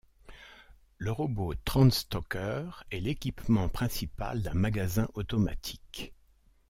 Le robot transstockeur est l’équipement principal d’un magasin automatique.